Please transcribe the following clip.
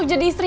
aku mau ngerti